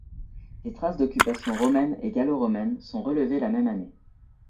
Des traces d'occupation romaine et gallo-romaine sont relevées la même année.